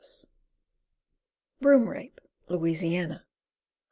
Broom Rape, Louisiana.